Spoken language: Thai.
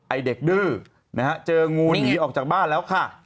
ไอ้เด็กดื้อนะฮะเจองูหนีออกจากบ้านแล้วค่ะ